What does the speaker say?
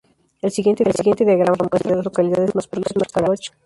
El siguiente diagrama muestra las localidades más próximas a Lodge Grass.